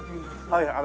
はい。